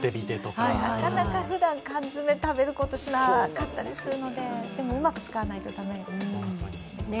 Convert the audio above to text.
なかなかふだん、缶詰を食べたりすることがなかったりするのででもうまく使わないと駄目なんですよね。